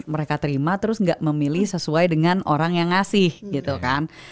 mereka terima terus nggak memilih sesuai dengan orang yang ngasih gitu kan